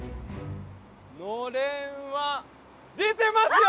のれんは出てますよ！